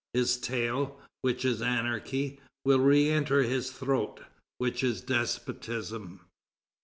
His tail, which is anarchy, will re enter his throat, which is despotism."